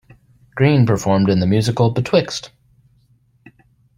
Greene performed in the musical Betwixt!